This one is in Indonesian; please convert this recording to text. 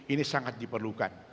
ini sangat diperlukan